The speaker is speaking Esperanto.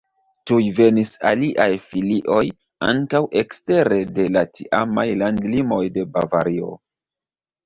Tuj venis aliaj filioj ankaŭ ekstere de la tiamaj landlimoj de Bavario.